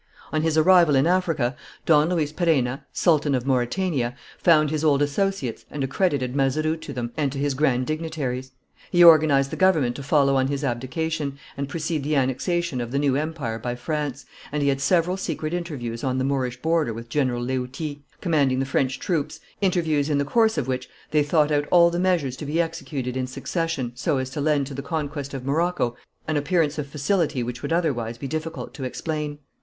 On his arrival in Africa, Don Luis Perenna, Sultan of Mauretania, found his old associates and accredited Mazeroux to them and to his grand dignitaries. He organized the government to follow on his abdication and precede the annexation of the new empire by France, and he had several secret interviews on the Moorish border with General Léauty, commanding the French troops, interviews in the course of which they thought out all the measures to be executed in succession so as to lend to the conquest of Morocco an appearance of facility which would otherwise be difficult to explain.